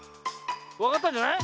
わかったんじゃない？